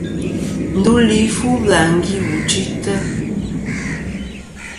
Ndu li fu bɨlàŋgi wù chɨytɨ.